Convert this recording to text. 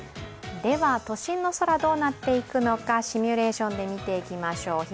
都心の空、どうなっていくのかシミュレーションで見ていきましょう。